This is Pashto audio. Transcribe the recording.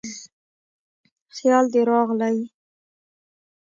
خیال دې راغلی